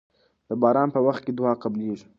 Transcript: د باران په وخت کې دعا قبليږي.